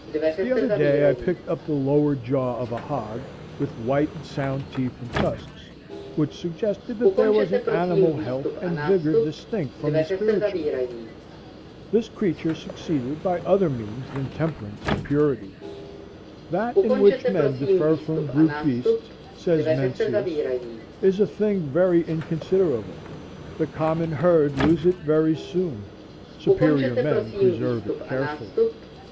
The other day I picked up the lower jaw of a hog, with white and sound teeth and tusks, which suggested that there was an animal health and vigor distinct from the spiritual. This creature succeeded by other means than temperance and purity. "That in which men differ from brute beasts," says Mencius, "is a thing very inconsiderable; the common herd lose it very soon; superior men preserve it carefully."